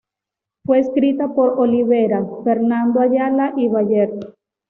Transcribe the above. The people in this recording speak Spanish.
Fue escrita por Olivera, Fernando Ayala y Bayer.